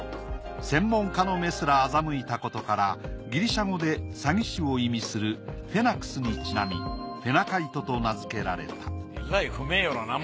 専門家の目すら欺いたことからギリシャ語で詐欺師を意味するフェナクスにちなみフェナカイトと名づけられた。